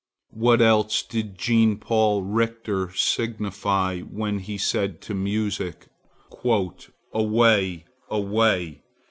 What else did Jean Paul Richter signify, when he said to music, "Away! away!